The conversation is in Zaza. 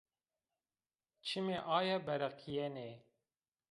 Çimê aye bereqîyenê.